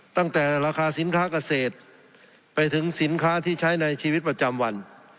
ตั้งแต่ราคาสินค้าเกษตรไปถึงสินค้าที่ใช้ในชีวิตประจำวัน